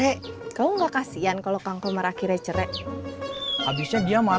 enggak kak enggak mikir